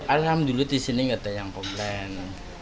alhamdulillah disini nggak ada yang komplain